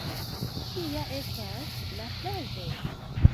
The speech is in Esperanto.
Kia estas la prezo?